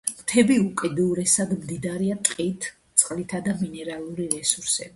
მთები უკიდურესად მდიდარია ტყით, წყლითა და მინერალური რესურსებით.